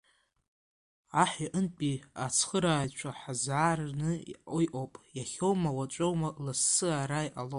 Аҳ иҟынтәи ацхырааҩцәа ҳзаараны иҟоуп, иахьоума, уаҵәоума, лассы ара иҟалоит!